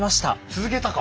続けたか。